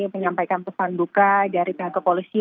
menyampaikan pesan duka dari pihak kepolisian